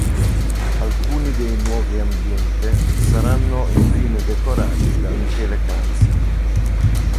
Alcuni dei nuovi ambiente saranno infine decorati da Michele Canzio.